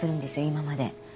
今まで。